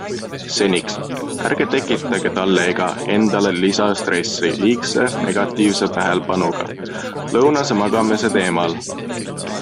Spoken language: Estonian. Seniks, ärge tekitage talle ega endale lisastressi liigse negatiivse tähelepanuga lõunase magamise teemal.